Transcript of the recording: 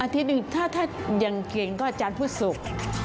ทีนึงถ้าอย่างเกร็งก็ต้องทราบผู้สูง